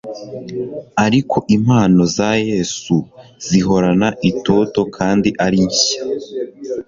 Ariko impano za Yesu zihorana itoto kandi ari nshya